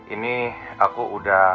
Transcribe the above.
ini aku udah